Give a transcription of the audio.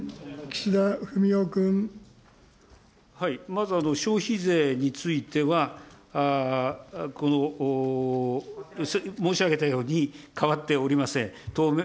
まず消費税については、申し上げたように、変わっておりません。